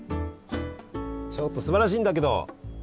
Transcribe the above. ちょっとすばらしいんだけど。